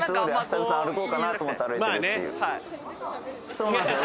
そうなんすよ